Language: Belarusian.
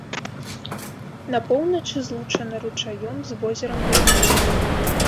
На поўначы злучана ручаём з возерам без назвы.